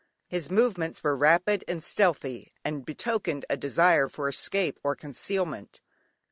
His movements were rapid and stealthy, and betokened a desire for escape or concealment.